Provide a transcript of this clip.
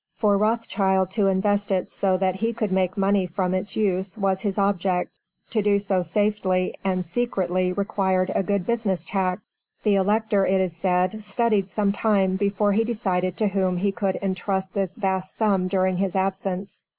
For Rothschild to invest it so that he could make money from its use was his object; to do so safely and secretly required a good business tact. The Elector, it is said, studied sometime before he decided to whom he could intrust this vast sum during his absence.